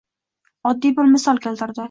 Oddiy bir misol keltirdi.